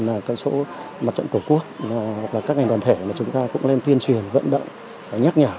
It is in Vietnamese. là cái số mặt trận cổ quốc các ngành đoàn thể chúng ta cũng nên tuyên truyền vận động nhắc nhả